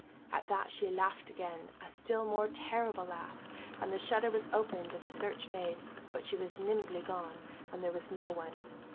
At that, she laughed again, a still more terrible laugh, and the shutter was opened and search made, but she was nimbly gone, and there was no one.